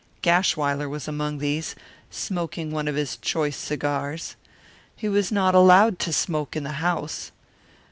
Gashwiler was among these, smoking one of his choice cigars. He was not allowed to smoke in the house.